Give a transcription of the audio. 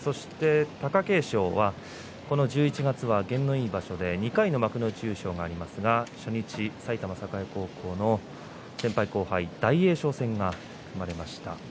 貴景勝は、この１１月は験のいい場所で２回の幕内優勝がありますが初日、埼玉栄高校の先輩後輩大栄翔戦が組まれました。